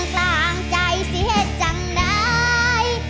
กลางใจเสียจังได้